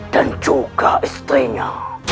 dan juga istrinya